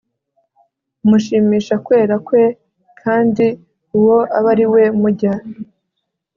mushimisha kwera kwe kandi uwo abe ari we mujya